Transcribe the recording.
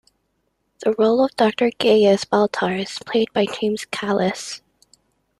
The role of Doctor Gaius Baltar is played by James Callis.